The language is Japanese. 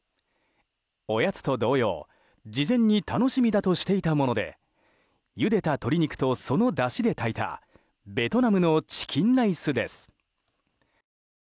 おやつと同様事前に楽しみだとしていたものでゆでた鶏肉と、そのだしで炊いたベトナムのチキンライスです。